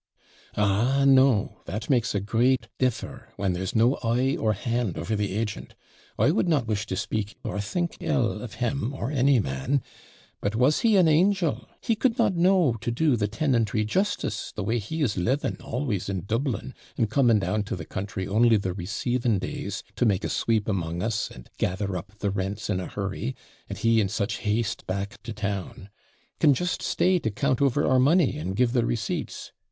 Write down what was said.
'Ah, no I that makes a great DIFFER, when there's no eye or hand over the agent. I would not wish to speak or think ill of him or any man; but was he an angel, he could not know to do the tenantry justice, the way he is living always in Dublin, and coming down to the country only the receiving days, to make a sweep among us, and gather up the rents in a hurry, and he in such haste back to town can just stay to count over our money, and give the receipts.